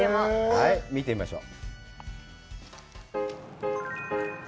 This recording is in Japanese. はい、見てみましょう。